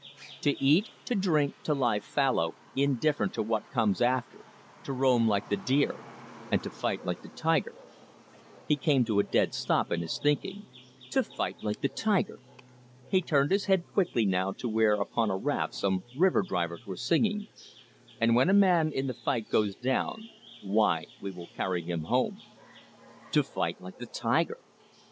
To eat, to drink, to lie fallow, indifferent to what comes after, to roam like the deer, and to fight like the tiger " He came to a dead stop in his thinking. "To fight like the tiger!" He turned his head quickly now to where upon a raft some river drivers were singing: "And when a man in the fight goes down, Why, we will carry him home!" "To fight like the tiger!"